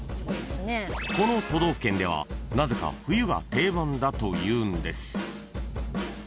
［この都道府県ではなぜか冬が定番だというんです］